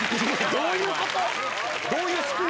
どういうこと？